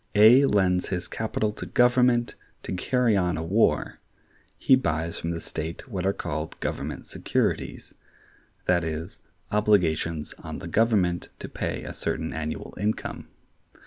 A lends his capital to Government to carry on a war: he buys from the state what are called government securities; that is, obligations on the Government to pay a certain annual income.